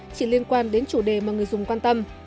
chỉ liên quan đến chủ đề mà người dùng quan tâm